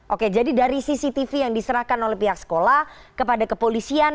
oke jadi dari cctv yang diserahkan oleh pihak sekolah kepada kepolisian